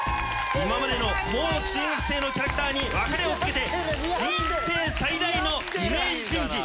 今までのもう中学生のキャラクターに別れを告げて人生最大のイメージチェンジ。